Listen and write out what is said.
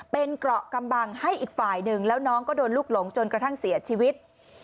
เป็นเกราะกำบังให้อีกฝ่ายหนึ่งแล้วน้องก็โดนลูกหลงจนกระทั่งเสียชีวิต